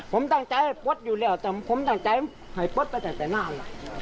ผมตั้งใจให้ปลดอยู่แล้วแต่ผมตั้งใจให้ปลดไปตั้งแต่หน้าล่ะ